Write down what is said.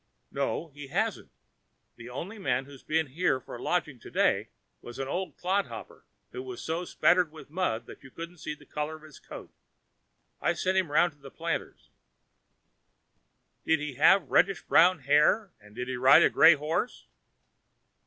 "No, he hasn't. The only man that has been here for lodging to day was an old clodhopper who was so spattered with mud that you couldn't see the color of his coat. I sent him round to the Planters'." "Did he have reddish brown hair, and did he ride a gray horse?"